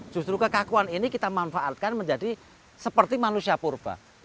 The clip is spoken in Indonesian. justru kekakuan ini kita manfaatkan menjadi seperti manusia purba